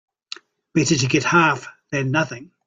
Better to get half than nothing.